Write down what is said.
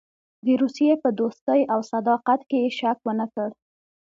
د روسیې په دوستۍ او صداقت کې یې شک ونه کړ.